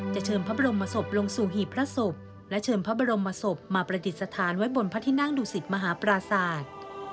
เชิญพระบรมศพลงสู่หีบพระศพและเชิญพระบรมศพมาประดิษฐานไว้บนพระที่นั่งดุสิตมหาปราศาสตร์